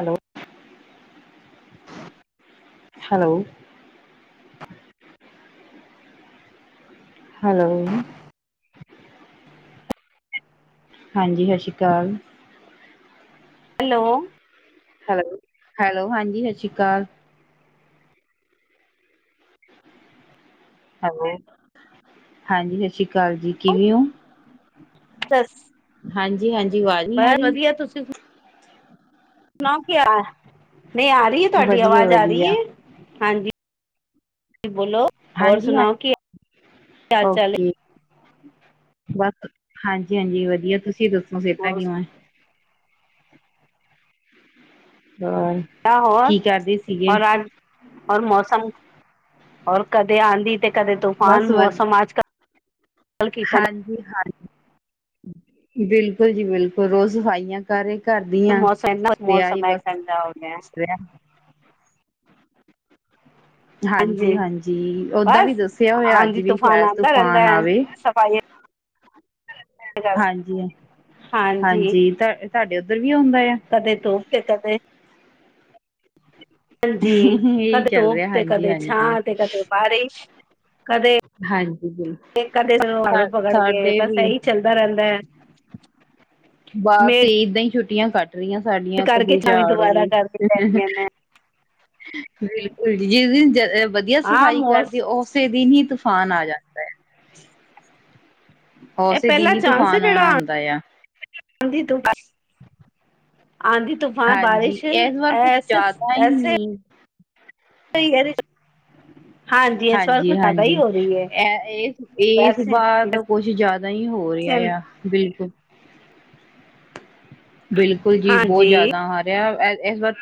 Hello. Hello. Hello. ਹਾਂਜੀ, ਸਸਰੀ ਕਾਲ। ਹੈਲੋ। ਹੈਲੋ-ਹੈਲੋ। ਹਾਂਜੀ ਸਛਰੀ ਕਾਲ। ਹੈਲੋ ਹਾਂਜੀ, ਛਛਰੀ ਕਾਲ ਜੀ, ਕਿਵੇਂ ਔ? ਸੱਸ ਹਾਂਜੀ-ਹਾਂਜ ਬੈ ਵਦੀਆ ਤੁਸੀਂ ਸੁਣਾਓ ਕਿ ਆ ਨਈਂ ਆ ਰਈ ਐ ਤੁਆਡੀ ਆਵਾਜ਼ ਆ ਰਈ ਵਧੀਆ-ਵਧੀਆ ਐ? ਹਾਂਜੀ, ਬੋਲੋ ਹੋਰ ਹਾਂਜੀ ਹਾਂ ਸੁਣਾਓ ਕੀ ਹਾਲ-ਚਾਲ ਨੇ? ਓਕੇ ਬਸ, ਹਾਂਜੀ-ਹਾਂਜੀ ਵਦੀਆ ਤੁਸੀਂ ਦੱਸੋ ਸੇਤਾ ਕਿਵੇਂ? ਹ ਆ ਹੋਰ ਔਰ ਅੱਜ ਔਰ ਮੌਸਮ ਔਰ ਕਦੇ ਆਂਦੀ ਤੇ ਕਦੇ ਤੂਫਾਨ ਬਸ ਮੌਸਮ ਅੱਜ-ਕੱਲ ਹਾਂਜੀ ਹਾਂ, ਬਿਲਕੁਲ ਜੀ ਬਿਲਕੁਲ ਰੋਜ਼ ਸਫਾਈਆਂ ਸਾਰੇ ਘਰ ਦੀਆਂ ਮੌਸਮ ਇਨਾ ਤੇ ਮੌਸਮ ਆਹੀ ਹੈ ਬਸ ਗੰਦਾ ਹੋ ਗਿਆ ਰਿਆ। ਹਾਂਜੀ ਹਾਂਜੀ-ਹਾਂਜੀ ਓਦਾਂ ਬਸ ਵੀ ਦੱਸੇਆ ਹੋਏਆ ਆਂਦੀ ਅੱਜ ਵੀ ਤੂਫਾਨ ਸ਼ੈਦ ਆਂਦਾ ਰਹਿੰਦਾ ਤੂਫਾਨ ਹੈ ਆਵੇ। ਸਫਾਈ ਹਾਂਜੀ ਹਾਂਜੀ-ਹਾਂਜੀ ਤਾ ਤੁਆਡੇ ਓਦਰ ਵੀ ਹੁੰਦਾ ਏ ਆ। ਕਦੇ ਤੋਂ ਤੇ ਕਦੇ ਹਾਂਜੀ ਏਈ ਚੱਲ ਰਿਆ ਹਾਂਜੀ-ਹਾਂਜੀ। ਹਾਰੇਸ਼ ਹਾਂਜੀ ਜੀ, ਕਦੇ ਸਾ ਝਾੜੂ ਪਕੜ ਕੇ ਸਾਡੇ ਬਸ ਵੀ ਇਹੀ ਚੱਲਦਾ ਰਹਿੰਦਾ ਹੈ ਬਸ ਮੇਡ ਏਦਾਂ ਈ ਛੁੱਟੀਆਂ ਕਟ ਗੀਆਂ ਸਾਡੀਆਂ ਕਰਕੇ ਕਦੇ ਛਾਵੇਂ ਜਾੜੋ ਦੁਬਾਰਾ ਕਰਕੇ ਪੈਂਦੀਆਂ ਨੇ ਬਿਲਕੁਲ ਜੀ ਜਿਸ ਦਿਨ ਵਦੀਆ ਹਾਂ ਸਫਾਈ ਕਰਦੀ ਮੋਸ ਐ ਉਸ ਤੇ ਦਿਨ ਈ ਤੂਫਾਨ ਆ ਜਾਂਦਾ ਐ। ਇਹ ਓਸੇ ਪਹਿਲਾ ਦਿਨ ਈ ਚਾਂਸ ਹੈ ਤੂਫਾਨ ਔਣਾ ਜਿਹੜਾ ਹੁੰਦਾ ਏਆ। ਆਂਦੀ ਤੁਫਾਨ, ਆਂਦੀ ਤੁ ਹਾਂ ਹਾਂਜੀ ਬਾਰਿਸ਼, ਐਸੇਸ ਐਸੇ ਹੂੰ ਸਈ ਐ ਨੇ। ਜ਼ਿਆਦਾ ਹੀ ਹਾਂਜੀ-ਹਾਂਜੀ। ਹੋ ਰਹੀ ਹੈ ਐਹ ਇਸ ਇਸ ਵੈਸੇ ਬਾਰ ਤਾ ਕੁਛ ਜ਼ਾਦਾ ਈ ਹੋ ਰਿਆ ਆ ਬਿਲਕੁਲ ਬਿਲਕੁਲ ਜੀ ਬੋਹ ਹਾਂਜੀ ਜਾਦਾ ਆ ਰਿਆ ਇਸ ਵਾਰ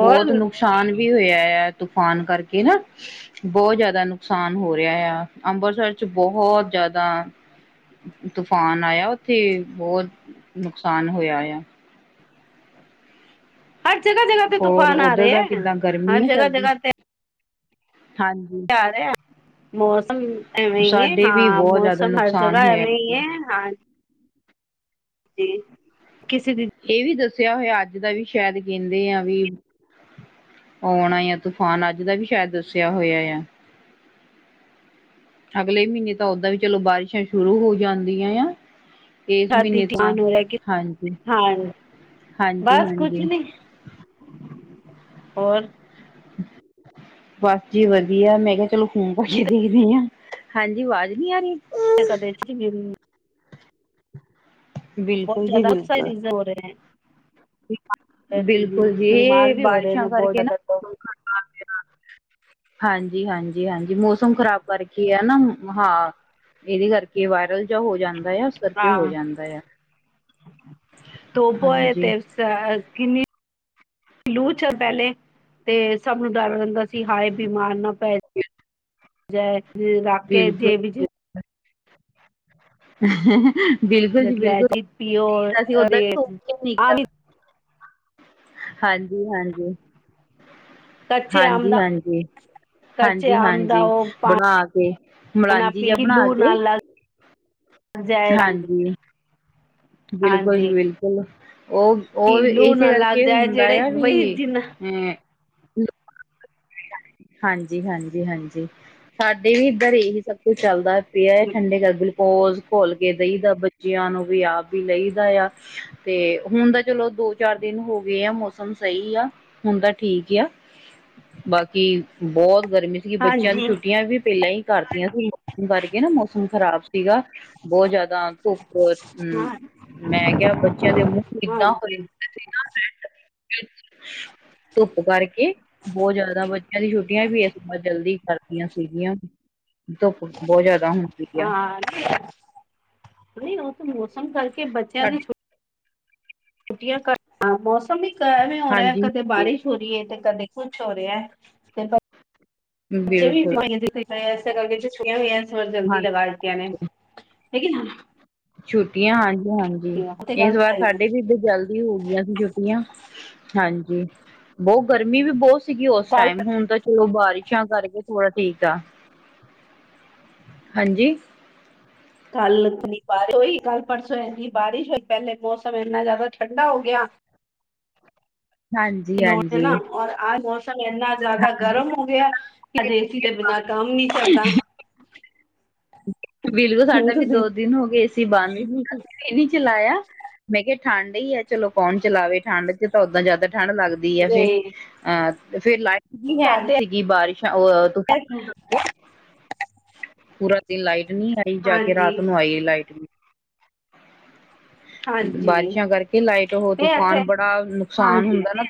ਬੋਤ ਨੁਕ ਸਾਨ ਵੀ ਹੋਇਆ ਆ ਤੂਫਾਨ ਕਰਕੇ ਨਾ। ਬੋਹ ਜ਼ਾਦਾ ਨੁਕਸਾਨ ਹੋ ਰਿਆ ਆ ਅੰਬਰਸਰ ਚ ਬੋਹਤ ਜ਼ਾਦਾ ਤੂਫਾਨ ਆਏਆ ਓਥੇ ਬੋਤ ਨੁਕਸਾਨ ਹੋਇਆ ਆ। ਜਗਾ-ਜਗਾ ਤੇ ਹੋਰ ਤੂਫਾਨ ਆ ਉਧਰ ਰਏ ਦਾ ਐ, ਕਿੱਦਾਂ ਗਰਮੀ ਹਰ ਹੈ ਸਰਦੀ ਜਗਾ-ਜਗਾ ਤੇ। ਹਾਂਜੀ। ਆ ਰਿਹਾ ਮੌਸਮ ਐਵੇਂ ਈ ਐ ਸਾਡੇ ਵੀ ਹਾਂ ਬਹੁਤ ਜ਼ਿਆਦਾ ਮੌਸਮ ਹਰ ਨੁਕਸਾਨ ਜਗਾ ਹੋਇਆ ਐਵੇਂ ਈ ਐ, ਹਾਂ ਜੀ ਕਿਸੇ ਦਿ ਏ ਵੀ ਦੱਸੇਆ ਹੋਏਆ ਅੱਜ ਦਾ ਵੀ ਸ਼ੈਦ ਕੈਂਦੇ ਆ ਵੀ ਔਣਾ ਈ ਆ ਤੂਫਾਨ ਅੱਜ ਦਾ ਵੀ ਸ਼ੈਦ ਦੱਸੇਆ ਹੋਏਆ ਆ। ਅਗਲੇ ਮੀਨੇ ਤਾਂ ਓਦਾਂ ਵੀ ਚਲੋ ਬਾਰਿਸ਼ਾਂ ਸ਼ੁਰੂ ਹੋ ਜਾਂਦੀਆਂ ਆ। ਇਸ ਸ਼ਾਦੀ ਮਹੀਨੇ ਤਾਂ [unintelligible] ਹਾਂਜੀ ਹਾਂ, ਹਾਂਜੀ ਬਸ ਕੁਛ ਹਾਂਜੀ ਨੀ। ਹੋਰ? [inaudible] ਬਸ ਜੀ ਵਦੀਆ ਮੈਂ ਕਿਆ ਚਲੋ ਫੂਨ ਕਰ ਕੇ ਦੇਖਦੀ ਆਂ, ਹਾਂਜੀ ਆਵਾਜ਼ ਨੀ ਆ ਰਈ? ਤੇ ਕਦੇ ਚ ਵਿਉ ਬੋਤ ਬਿਲਕੁਲ ਜੀ ਜ਼ਿਆਦਾ ਬਿਲਕੁਲ ਅਕਸਾਈਚੀਜ਼ ਹੋ ਰੇ ਐਂ। ਬਿਲਕੁਲ ਜੀ, ਵੀ ਹੋ ਰਹੇ ਨੇ ਬਾਰਿਸ਼ਾਂ ਬਹੁਤ ਕਰਕੇ ਜ਼ਿਆਦਾ ਨਾਂ ਲੋਕ [unintelligible] ਹਾਂਜੀ, ਹਾਂਜੀ, ਹਾਂਜੀ। ਮੌਸਮ ਖ਼ਰਾਬ ਕਰਕੇ ਆ ਨਾ ਹਾਂ, ਏਦੇ ਕਰ ਕਿ ਵਾਇਰਲ ਜਿਆ ਹੋ ਜਾਂਦਾ ਆ, ਏਸ ਕਰਕੇ ਹੋ ਹਾਂ ਜਾਂਦਾ ਆ। ਧੋਬੋ ਏ ਹਾਂਜੀ ਤੇ ਸ ਅ ਕਿੰਨੀ ਲੂਚ ਆ ਪਹਿਲੇ। ਤੇ ਸਭ ਨੂੰ ਡਰ ਰੈਂਦਾ ਸੀ ਹਾਏ, ਬਿਮਾਰ ਨਾ ਪੈ ਜੈ ਰਾਕੇ ਜੇ ਵੀਜੀ ਬਿਲਕੁਲ ਬਿਲਕੁਲ ਜੀ ਲੈ ਬਿਲਕੁਲ। ਜਾ ਪੀਓ [inaudible] ਅਸੀਂ ਓਦਾਂ ਅਰੇ ਆਮ [unintelligible] ਹਾਂਜੀ ਹਾਂਜੀ। ਕੱਚੇ ਆਮ ਹਾਂਜੀ ਦਾ ਹਾਂਜੀ। ਕੱਚੇ ਹਾਂਜੀ ਆਮ ਦਾ ਹਾਂਜੀ ਉਹ ਬਣਾ ਕੇ, ਪਾਣਾ ਮਲਾਂਜੀ ਪੀ ਜਿਆ ਬਣਾ ਲੂ ਨਾ ਕੇ ਲੱਗ ਜਾਏ ਹਾਂਜੀ, ਬਿਲਕੁਲ ਜੀ ਹਾਂਜੀ ਬਿਲਕੁਲ। ਓ ਓ ਕਿ ਵ ਲੂ ਇਸੇ ਨਾ ਲੱਗ ਕਰਕੇ ਜਾਏ ਹੁੰਦਾ ਜਿਹੜੇ ਆ ਵੀ ਬਈ ਜਿੰਨਾ ਏਂ ਹਾਂਜੀ, ਹਾਂਜੀ, ਹਾਂਜੀ। ਸਾਡੇ ਵੀ ਇੱਧਰ ਇਹੀ ਸਭ ਕੁਛ ਚੱਲਦਾ ਪਿਆ ਏ ਠੰਡੇ ਦਾ ਗਲੂਕੋਜ ਘੋਲ ਕੇ ਦਈ ਦਾ ਬੱਚਿਆਂ ਨੂੰ ਵੀ ਆਪ ਵੀ ਲਈ ਦਾ ਆ। ਤੇ ਹੁਣ ਤਾਂ ਚਲੋ ਦੋ-ਚਾਰ ਦਿਨ ਹੋ ਗਏ ਆ, ਮੌਸਮ ਸਈ ਆ ਹੁਣ ਤਾਂ ਠੀਕ ਆ। ਬਾਕੀ ਬੋਤ ਗਰਮੀ ਸੀਗੀ ਬੱਚਿਆਂ ਦੀ ਹਾਂਜੀ ਛੁੱਟੀਆਂ ਵੀ ਪਹਿਲਾਂ ਈ। ਕਰਤੀਆਂ ਸੀ, ਹੁਣ ਵਰਗੇ ਨਾ ਮੌਸਮ ਖ਼ਰਾਬ ਸੀਗਾ ਬੋਤ ਜ਼ਿਆਦਾ ਧੁੱਪ ਅਂ। ਹਾਂ ਮੈਂ ਕਿਆ ਬੱਚਿਆਂ ਦੇ ਮੂੱਖ ਕਿੱਦਾਂ ਹੋਏ ਹਾਂਜੀ [unintelligible] ਧੁੱਪ ਕਰਕੇ। ਬੋਤ ਜ਼ਿਆਦਾ ਬੱਚਿਆਂ ਦੀ ਛੁੱਟੀਆਂ ਵੀ ਇਸ ਵਾਰ ਜਲਦੀ ਕਰ ਦਿੱਤੀਆ ਸੀਗੀਆਂ। ਧੁੱਪ ਬੋਤ ਜ਼ਿਆਦਾ ਹੁੰਦੀ ਆ। [unintelligible] ਨਈਂ ਓ ਤੇ ਮੌਸਮ ਕਰਕੇ ਬੱਚਿਆਂ ਦੀ ਸਾਡੇ ਛੁ ਛੁੱਟੀਆਂ ਕਰ, ਹਾਂ ਮੌਸਮ ਵੀ ਖ਼ਰਾਬ ਹੋ ਰਿਆ ਐ, ਹਾਂਜੀ ਕਦੇ ਹਾਂਜੀ ਬਾਰਿਸ਼ ਹੋਰੀ ਏ ਤੇ ਕਦੇ ਕੁਛ ਹੋ ਰਿਆ ਤੇ ਬੱਚ, ਬੱਚੇ ਵੀ ਬਿਲਕੁਲ [unintelligible] ਏਸੇ ਕਰਕੇ ਛੁੱਟੀਆਂ ਹੋਈਆਂ। ਥੋੜਾ ਜਲਦੀ ਲਗਾ ਦਿੱਤੀਆਂ ਨੇ ਹਾਂਜੀ [unintelligible] ਛੁੱਟੀਆਂ ਹਾਂਜੀ ਹਾਂਜੀ, ਉਹ ਤੇ ਇਸ ਗੱਲ ਵਾਰ ਸਹੀ ਸਾਡੇ ਵੀ ਇੱਧਰ ਜਲ ਦੀ ਹੋ ਗੀਆਂ ਸੀ ਛੁੱਟੀਆਂ, ਹਾਂਜੀ ਬੋਤ ਗਰਮੀ ਵੀ ਬੋਤ ਸੀਗੀ ਉਸ ਕੱਲ ਟਾਈਮ ਹੁਣ ਤਾਂ ਚਲੋ ਬਾਰਿਸ਼ਾਂ ਕਰਕੇ ਥੋੜਾ ਠੀਕ ਆ। ਹਾਂਜੀ? ਕੱਲ ਅਪਣੀ ਬਾਰੀ ਹੋਈ, ਕੱਲ-ਪਰਸੋਂ ਇੰਨੀ ਬਾਰਿਸ਼ ਹੋਈ ਪਹਿਲੇ ਮੌਸਮ ਇੰਨਾਂ ਜ਼ਿਆਦਾ ਠੰਡਾ ਹੋ ਗਿਆ। ਹਾਂਜੀ [unintelligible] ਹਾਂਜੀ ਮੋਸਮ ਇੰਨਾ ਜ਼ਿਆਦਾ ਗਰਮ ਹੋ ਗਿਆ, ਹਜੇ ਏ ਸੀ ਦੇ ਬਿਨਾਂ ਕੰਮ ਨੀਂ ਚੱਲਦਾ। ਬਿਲਕੁਲ ਹੁਣ ਸਾਡਾ ਵੀ ਦੋ ਤੁਸੀਂ ਦਿਨ ਹੋ ਗੇ ਏ ਸੀ ਬੰਦ। ਇਹ ਨੀ ਚਲਾਇਆ, ਮੈਂ ਕਿਆ ਠੰਡ ਈ ਐ ਚਲੋ ਕੌਣ ਚਲਾਵੇ ਠੰਡ ਚ ਤਾਂ ਓਦਾਂ ਜ਼ਿਆਦਾ ਠੰਢ ਲੱਗਦ ਦੀ ਫੇ ਨਹੀਂ ਅਹ ਫੇਰ ਲਾਈ ਵੀ ਹੈ ਨੀ ਸਾਡੇ ਸੀਗੀ ਬਾਰਿਸ਼, ਅਅ [unintelligible] ਪੂਰਾ। ਦਿਨ ਲਾਈਟ ਨੀਂ ਆਈ, ਜਾ ਕੇ ਹਾਂਜੀ ਰਾਤ ਨੂੰ ਆਈ ਲਾਈਟ ਵੀ। ਹਾਂਜੀ ਬਾਰਿਸ਼ਾਂ ਕਰਕੇ ਲਾਈਟ ਹੋ ਇਹ ਤੂਫਾਨ ਇੱਥੇ ਬੜਾ ਨੁਕਸਾਨ ਹਾਂਜੀ ਹੁੰਦਾ ਨਾ।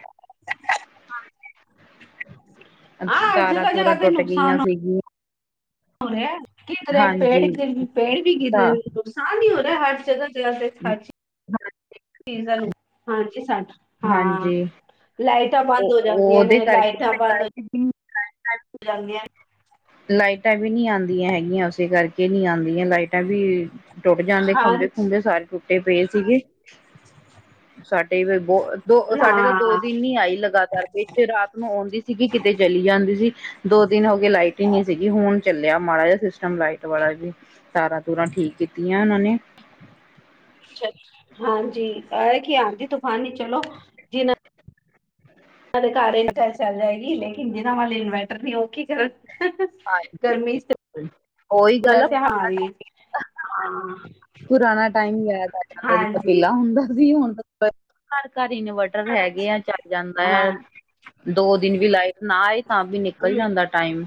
[unintelligible] ਹਾਂ ਜਗ੍ਹਾ ਜਗ੍ਹਾ ਤਾਰਾਂ-ਤੂਰਾਂ ਟੁੱਟ ਗਈਆਂ ਸੀਗੀਆਂ। ਹੁਣੇ ਆਏ ਓ? ਕੀ ਕਰਾਂ, ਪੈਡ ਹਾਂਜੀ ਵੀ ਪੈਰ ਗਿਰ ਤਾਂ ਰੇ ਓ। ਨੁਕਸਾਨ ਈ ਹੋ ਰਿਆ ਹਰ ਜਗ੍ਹਾ-ਜਗ੍ਹਾ ਤੇ ਹਰ ਚੀ, ਚੀਜ਼ ਦਾ ਨੁਕ ਸਾਨ ਏ ਸੱਚ ਹਾਂ ਹਾਂਜੀ ਲਾਈਟਾਂ ਬੰਦ ਉਹ ਹੋ ਜਾਂਦੀਆਂ ਉਹਦੇ ਨੇ ਕਰਕੇ ਲਾਈਟਾਂ ਬੰਦ [inaudible] [unintelligible] ਦਿਆ ਲਾਈਟਾਂ ਵੀ ਨੀ ਆਂਦੀਆਂ ਹੈਗੀਆਂ ਉਸੇ ਕਰਕੇ ਨੀ ਆਂਦੀਆਂ ਲਾਈਟਾਂ ਵੀ ਟੁੱਟ ਜਾਂਦੇ ਹਾਂਜੀ ਖੰਬੇ-ਖੁੰਬੇ ਸਾਰੇ ਟੁੱਟੇ ਪਏ ਸੀਗੇ। ਸਾਡੇ ਫੇਰ ਬੋ ਦੋ ਸਾਡੇ ਤਾਂ ਦੋ ਨਾ ਦਿਨ ਨੀ ਆਈ ਲਗਾਤਾਰ [unintelligible] ਤੇ ਰਾਤ ਨੂੰ ਔਂਦੀ ਸੀਗੀ ਕਿਤੇ ਚਲੀ ਜਾਂਦੀ ਸੀ ਦੋ ਦਿਨ ਹੋਗੇ ਲਾਈ ਟੀ ਨੀ ਸੀਗੀ ਹੁਣ ਚੱਲਿਆ ਮਾੜਾ ਜਾ ਸਿਸਟਮ ਲਾਈਟ ਵਾਲਾ ਵੀ ਤਾਰਾਂ-ਤੂਰਾਂ ਠੀਕ ਕੀਤੀਆਂ ਓਨਾਂ ਨੇ। ਆ ਹਾਂਜੀ ਆ ਕੀ ਆਂਦੀ ਤੂਫਾਨੀ ਚਲੋ ਜਿਨ੍ਹਾਂ [unintelligible] ਲੇਕਿਨ ਜਿਨਾਂ ਵਲ ਇਨਵੈਰਟਰ ਨੀ ਓ ਕੀ ਕਰਨ। ਹਾਂਜੀ ਗਰਮੀ ਚ ਤੇ ਬਿਲਕੁੱਲ ਓਈ ਗੱਲ ਆ ਵੈਸੇ ਹਮਾਰੀ ਹਾਂ [unintelligible] ਪੁਰਾਣਾ ਟਾਈਮ ਯਾਦ ਆ ਜਾਂਦਾਂ ਜੀ ਹਾਂਜੀ ਪੈਲਾਂ ਹੁੰਦਾ ਸੀ ਹੁਣ [unintelligible] [unintelligible] ਘਰ-ਘਰ ਇਨਵਰਟਰ ਹਾਂ ਹੈਗੇ ਆ ਚੱਲ ਜਾਂਦਾ ਆ। ਹਮ, ਦੋ ਦਿਨ ਵੀ ਲਾਈਟ ਨਾ ਆਏ ਤਾਂ ਵੀ ਨਿਕਲ ਜਾਂਦਾ ਟਾਈਮ।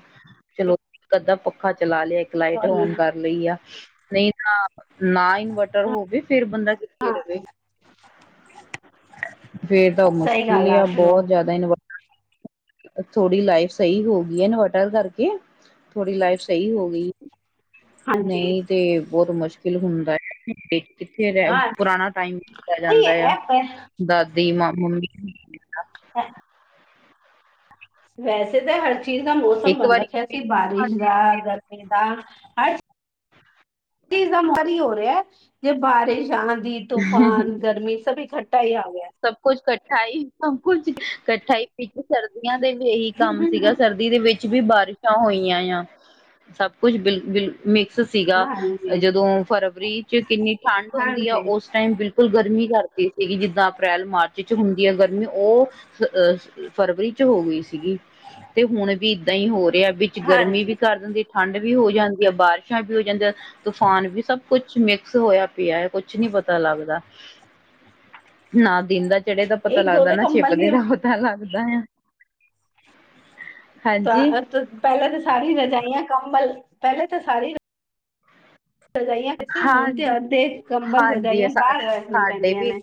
ਚਲੋ ਇਕ ਅੱਧਾ ਪੱਖਾ ਚਲਾ ਲਿਆ ਇੱਕ ਲਾਈਟ ਤੁਹਾਨੂੰ ਓਨ ਕਰ ਲਈ ਆ ਨਈ ਤਾਂ ਨਾ ਇਨਵਰਟਰ ਹੋਵੇ ਫੇਰ ਬੰਦਾ ਕਿੱਥੇ ਹਾਂ ਰਵੇ। ਫੇਰ ਤਾਂ ਸਹੀ ਗੱਲ ਮੁਸ਼ਕਿਲ ਆ ਫਿਰ ਬੋਤ ਉਹ ਜਾਦਾ ਇਨ [unintelligible] ਥੋਡੀ ਲਾਈਫ ਸਈ ਹੈਗੀ ਇਨਵਰਟਰ ਕਰਕੇ ਥੋਡੀ ਲਾਈਫ ਸਈ ਹੋਗੀ ਹਾਂਜੀ ਨਈ ਤੇ ਬੋਤ ਮੁਸ਼ਕਿਲ ਹੁੰਦਾ [unintelligible] ਕਿੱਥੇ ਰੈ ਹਾਂ ਪੁਰਾਣਾ ਟਾਈਮ ਦਿੱਤਾ ਨਹੀਂ ਜਾਂਦਾ ਆ ਇਹ ਪ ਦਾਦੀ, ਮਾ ਮੰਮੀ [unintelligible] [inaudible] ਵੈਸੇ ਤੇ ਹਰ ਚੀਜ਼ ਦਾ ਮੌਸਮ ਇੱਕ ਬਨ ਰੱਖਿਆ ਵਾਰੀ ਸੀ ਬਾਰਿਸ਼ ਦਾ, ਗਰਮੀ ਦਾ ਹਰ ਚੀਜ਼ ਦਾ [unintelligible] ਹੋ ਰਿਐ ਜੇ ਬਾਰਿਸ਼, ਆਂਧੀ, ਤੂਫ਼ਾਨ, ਗਰਮੀ ਸਭ ਇਕੱ ਠਾ ਈ ਆ ਗਿਆ। ਸਭ ਕੁਛ ਕੱਠਾ ਈ ਸਭ ਕੁਛ ਕੱਠਾ ਈ ਵਿੱਚ ਸਰਦੀਆਂ ਦੇ ਵੀ ਏਹੀ ਕੰਮ ਸੀਗਾ ਸਰ ਦੀ ਦੇ ਵਿੱਚ ਵੀ ਬਾਰਿਸ਼ਾਂ ਹੋਈਆਂ ਆ ਸਭ ਕੁਛ ਬਿਲ-ਬਿਲ ਮਿਕ ਸੀਗਾ ਹਾਂਜੀ ਜਦੋਂ ਫਰਵਰੀ ਚ ਕਿੰਨੀ ਠੰਢ ਹੁੰਦੀ ਆ ਹਾਂਜੀ ਓਸ ਟਾਈਮ ਬਿਲਕੁੱਲ ਗਰਮੀ ਕਰਤੀ ਸੀਗੀ ਜਿੱਦਾਂ ਅਪ੍ਰੈਲ, ਮਾਰਚ ਚ ਹੁੰਦੀ ਆ ਗਰਮੀ ਓ ਅ ਸ ਫਰਵਰੀ ਚ ਹੋ ਗਈ ਸੀਗੀ। ਤੇ ਹੁਣ ਵੀ ਇਦਾਂ ਈ ਹੋ ਰਿਆ ਵਿੱਚ ਗਰਮੀ ਵੀ ਹਾਂਜੀ ਕਰ ਦਿੰਦੀ ਠੰਡ ਵੀ ਹੋ ਜਾਂਦੀ ਆ ਬਾਰਿਸ਼ਾਂ ਵੀ ਹੋ ਜਾਂਦੀਆਂ ਤੂਫਾਨ ਵੀ ਸਭ ਕੁਛ ਮਿਕਸ ਹੋਇਆ ਪਿਆ ਐ ਕੁਛ ਨੀ ਪਤਾ ਲੱਗਦਾ। ਨਾ ਦਿਨ ਦਾ ਚੜ੍ਹੇ ਦਾ ਪਤਾ ਇੱਕ ਦੋ ਲੱਗਦਾ ਤੇ ਨਾ ਕੰਬਲ ਛਿਪਦੇ ਵੀ ਦਾ। ਤਾ ਲੱਗਦਾ ਆ। ਹਾਂਜੀ ਪਾਂ ਪ ਪੈਲਾ ਤਾਂ ਸਾਰੀ ਰਜਾਈਆਂ, ਕੰਬਲ ਪੈਲੇ ਤਾਂ ਸਾਰੀ ਰ ਰਜਾਈਆਂ ਕਿਉਂਕਿ ਹੁਣ ਤੇ ਹਾਂਜੀ ਅੱਧੇ ਕੰਬਲ, ਹਾਂਜੀ ਰਜਾਈਆਂ ਸਾ- ਬਾਰ ਰੱਖਣੀ ਪੈਂਦੀਆ ਨੇ।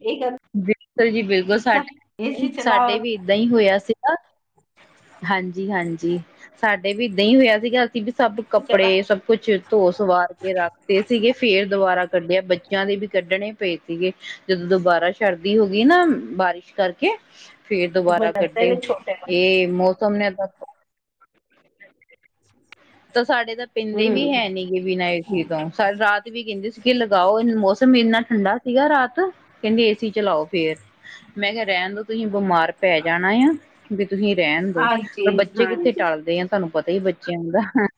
ਏ ਗੱਲ ਬਿਲਕੁੱਲ ਜੀ ਬਿਲਕੁੱਲ ਸਾਡੇ [unintelligible] ਚਲਾਓ ਸਾਡੇ ਵੀ ਏਦਾਂ ਹੋਇਆ ਸੀਗਾ ਹਾਂਜੀ-ਹਾਂਜੀ ਸਾਡੇ ਵੀ ਏਦਾਂ ਈ ਹੋਇਆ ਸੀਗਾ। ਵੀ ਸਭ ਚਲਾ ਕੱਪੜੇ ਸਭ ਕੁੱਛ ਧੋ ਸਵਾਰ ਕੇ ਰੱਖਤੇ ਸੀਗੇ ਫੇਰ ਦੁਬਾਰਾ ਕੱਢਿਆ ਬੱਚਿਆਂ ਦੇ ਵੀ ਕੱਢਣੇ ਪਏ ਸੀਗੇ। ਜਦੋਂ ਦੁਬਾਰਾ ਸ਼ਰਦੀ ਹੋਗੀ ਨਾ ਬਾਰਿਸ਼ ਕਰਕੇ ਫੇਰ ਦੁਬਾਰਾ ਬਦਲਦੇ ਕੱਢੇ ਨੇ ਛੋਟੇ ਨੇ ਏ ਮੌਸਮ ਨੇ ਬਸ [inaudible] ਤਾਂ ਸਾਡੇ ਤਾਂ ਪੀਂਦੇ ਵੀ ਹੂੰ ਹੈਨੀ ਗੇ ਬਿਨਾਂ ਏਸੀ ਤੋਂ। ਸਾਰੇ ਰਾਤ ਵੀ ਕੈਂਦੇ ਸੀਗੇ ਲਗਾਓ ਮੌਸਮ ਏਨਾ ਠੰਡਾ ਸੀਗਾ ਰਾਤ ਕਹਿੰਦੀ ਏਸੀ ਚਲਾਓ ਫੇਰ ਮੈਂ ਕਿਹਾ ਰਹਿਣ ਦੋ ਤੁਸੀਂ ਬਿਮਾਰ ਪੈ ਜਾਣਾ ਏ ਐ ਵੀ ਤੁਸੀਂ ਰਹਿਣ ਦੋ, ਹਾਂਜੀ ਪਰ ਬੱਚੇ ਕਿੱਥੇ ਹਾਂਜੀ ਟੱਲਦੇ ਆ। ਤੁਹਾਨੂੰ ਪਤਾ ਹੀ ਬੱਚਿਆਂ ਦਾ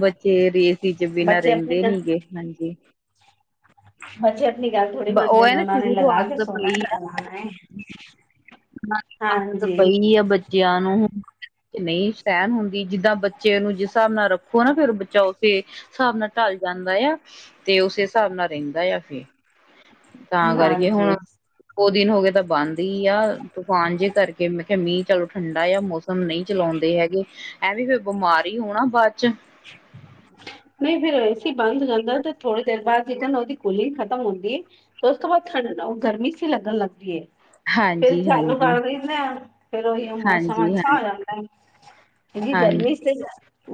ਬੱਚੇ ਰੇਸ ਏਸੀ ਚ ਬਿਨਾਂ ਬੱਚੇ ਆਪਣੀ ਰਹਿੰਦੇ ਗੱਲ ਨੀ ਗੇ ਹਾਂਜੀ। ਬੱਚੇ ਆਪਣੀ ਗੱਲ ਥੋੜੀ ਉਹ ਮੰਨਦੇ ਹੈ ਨੇ ਨਾ ਉਹਨਾਂ ਨੇ ਸ਼ੁਰੂ ਤੋਂ ਲਗਾ ਕੇ ਆਦਤ ਸੋਣਾ ਪਈ ਨਾ ਲਗਾਣਾ ਏ। ਹਾਂਜੀ, ਆਦਤ ਪਈ ਏ ਬੱ ਬੱਚਿਆਂ ਨੂੰ ਨਹੀਂ ਛੈਨ ਹੁੰਦੀ ਜਿੱਦਾਂ ਬੱਚੇ ਨੂੰ ਜਿਸ ਹਿਸਾਬ ਨਾਲ ਰੱਖੋ ਨਾ ਫੇਰ ਬੱਚਾ ਓਤੇ ਹਿਸਾਬ ਨਾਲ ਢਲ ਜਾਂਦਾ‌ ਆ, ਤੇ ਓਸੇ ਹਿਸਾਬ ਨਾਲ ਰਹਿੰਦਾ ਆ ਫੇਰ ਤਾਂ ਕਰਕੇ ਹੁਣ ਹਾਂਜੀ ਦੋ ਦਿਨ ਹੋਗੇ ਤਾਂ ਬੰਦ ਈ ਆ ਤੂਫਾਨ ਜੇ ਕਰਕੇ ਮੈਂ ਖਿਆ ਮੀਂਹ ਚਲੋ ਠੰਡਾ ਐ ਮੌਸਮ ਮ ਨਹੀਂ ਚਲਾਉਂਦੇ ਹੈਗੇ ਐਵੇ ਈ ਫੇਰ ਬਿਮਾਰ ਈ ਹੋਣਾ ਬਾਅ ਚ [inaudible] ਨਹੀਂ ਫੇਰ ਏਸੀ ਬੰਦ ਕਰਦਾ ਗੇ ਤੇ ਥੋੜੀ ਦੇਰ ਬਾਅਦ ਤੀਕਣ ਉਹਦੀ ਕੂਲਿੰਗ ਖਤਮ ਹੁੰਦੀ ਏਂ ਉਸ ਤੋਂ ਬਾਅਦ ਠੰਡਾ ਓ ਗਰਮੀ ਸੀ ਲੱਗਣ ਲੱਗ ਗੀ ਏ। ਫੇਰ ਹਾਂਜੀ ਚਾਲੂ ਹਾਂਜੀ ਕਰ ਦਿੰਨੇ ਆ ਫੇਰ ਓਈਓ ਮੌਸਮ ਹਾਂਜੀ ਅੱਛਾ ਹਾਂ ਹੋ ਜਾਂਦਾ ਏ। ਕਿਉਕਿ ਹਾਂਜੀ ਗਰਮੀ ਚ ਤੇ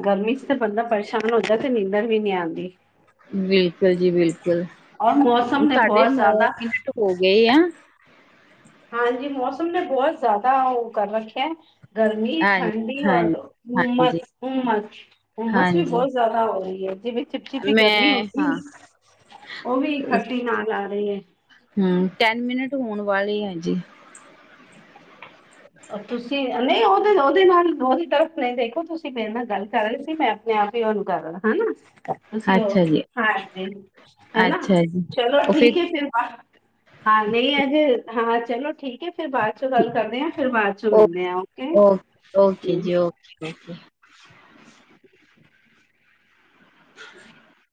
ਗਰਮੀ ਚ ਤੇ ਬੰਦਾ ਪਰੇਸ਼ਾਨ ਹੁੰਦਾ ਤੇ ਨੀਂਦਰ ਵੀ ਨੀ ਆਦੀ। ਬਿਲਕੁਲ ਜੀ ਬਿਲਕੁਲ ਔਰ ਮੌਸਮ ਨੇ ਤਾਢੇ ਬਹੁਤ ਨੌ ਜ਼ਿਆਦਾ ਮਿੰਟ ਹੋ ਗਏ ਆ ਹਾਂਜੀ ਮੌਸਮ ਨੇ ਬਹੁਤ ਜ਼ਿਆਦਾ ਓ ਕਰ ਰੱਖਿਆ ਗਰਮੀ ਹਾਂਜੀ ਠੰਡੀ ਔਰ ਹਾਂਜੀ ਹਾਂਜੀ ਉਮਸ-ਉਮਸ ਹੁਮਸ ਵੀ ਹਾਂਜੀ ਬਹੁਤ ਜ਼ਿਆਦਾ ਹੋ ਰੀ ਏ ਜਿਵੇ ਚਿਪ ਚਿਪੀ ਗਰਮੀ ਮੈਂ ਹੋਗੀ, ਹਾਂ ਉਹ ਵੀ ਖੱਟੀ ਨਾਲ ਆ ਰਹੀ ਐ ਹੂੰ, ਟੈਨ ਮਿੰਟ ਹੋਣ ਵਾਲੇ ਆ ਜੀ। ਤੁਸੀਂ ਨਈ ਉਹਦੇ- ਉਹਦੇ ਨਾਲ ਉਹਦੀ ਤਰਫ ਨਹੀਂ ਦੇਖੋ ਤੁਸੀਂ ਮੇਰੇ ਨਾਲ ਗੱਲ ਕਰ ਰਹੇ ਸੀ ਮੈਂ ਮੈ ਆਪੀ ਬੰਦ ਕਰ ਲੈਨਾਂ, ਹਨਾ। ਤੁਸੀਂ ਓ, ਅੱਛਾ ਜੀ ਹਾਂਜੀ ਹੈਨਾ ਅੱਛਾ ਜੀ ਚਲੋ ਉਹ ਠੀਕ ਐ ਫਿਰ ਬਾ ਹਾਂ ਨਹੀਂ ਅੱਜੇ, ਹਾਂ ਚਲੋ ਠੀਕ ਹੈ, ਫੇਰ ਬਾਅਦ ਚੋਂ ਗੱਲ ਕਰਦੇ ਆ। ਬਾਅਦ ਚੋਂ ਓ ਲਾਓਨੇ ਆ ਓਕੇ। ਓ ਓਕੇ ਜੀ ਓਕੇ- ਓਕੇ। [inaudible]